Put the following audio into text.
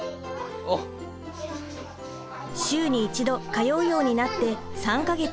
週に一度通うようになって３か月。